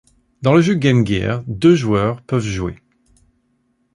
Dans le jeu Game Gear, deux joueurs peuvent jouer.